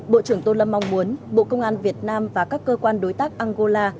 bộ trưởng tô lâm mong muốn bộ công an việt nam và các cơ quan đối tác angola